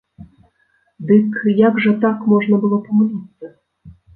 Дык, як жа так можна было памыліцца?